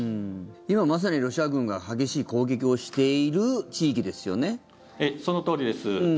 今、まさにロシア軍が激しい攻撃をしているそのとおりです。